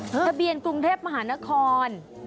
ทะเบียนกรุงเทพมหานคร